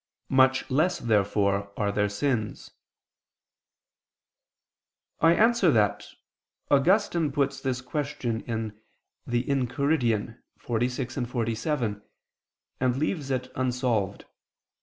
Much less therefore are their sins. I answer that, Augustine puts this question in the Enchiridion xlvi, xlvii, and leaves it unsolved.